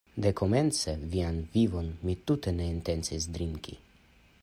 Dekomence vian vinon mi tute ne intencis drinki!